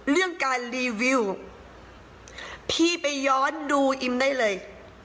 เรื่องการรีวิวพี่ไปย้อนดูอิมได้เลย